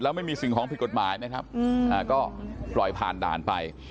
แล้วไม่มีสิ่งหอคภิกฎหมายเนี่ยครับอืมอ่าก็ปล่อยผ่านด่านไป